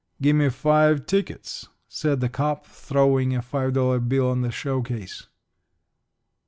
"Gimme five tickets," said the cop, throwing a five dollar bill on the showcase.